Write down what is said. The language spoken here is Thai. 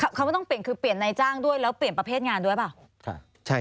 คำว่าต้องเปลี่ยนคือเปลี่ยนนายจ้างด้วยแล้วเปลี่ยนประเภทงานด้วยเปล่า